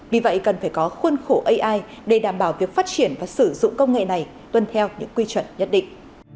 vì vậy cần phải có khuôn khổ ai để đảm bảo việc phát triển và sử dụng công nghệ này tuân theo những quy chuẩn nhất định